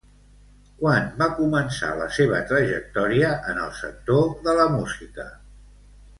Quan va començar la seva trajectòria en el sector de la música?